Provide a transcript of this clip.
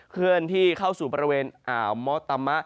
เคลื่อนที่เข้าสู่บริเวณอ่าวมอตามะ